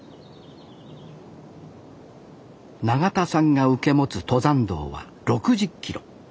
永田さんが受け持つ登山道は６０キロ。